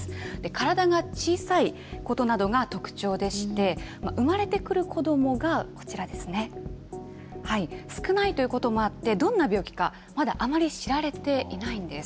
体が小さいことなどが特徴でして、生まれてくる子どもが、こちらですね、少ないということもあって、どんな病気か、まだあまり知られていないんです。